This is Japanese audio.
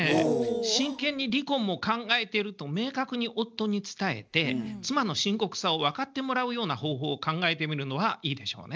真剣に離婚も考えていると明確に夫に伝えて妻の深刻さを分かってもらうような方法を考えてみるのはいいでしょうね。